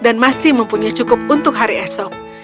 dan masih mempunyai cukup untuk hari esok